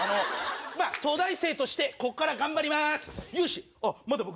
まあ、東大生としてここから頑張ります。